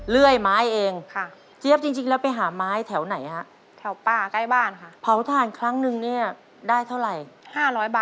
เลื่อยไม้ครับ